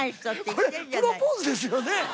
これプロポーズですよね！？